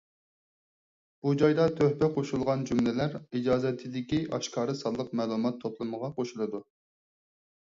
بۇ جايدا تۆھپە قوشۇلغان جۈملىلەر ئىجازىتىدىكى ئاشكارا سانلىق مەلۇمات توپلىمىغا قوشۇلىدۇ.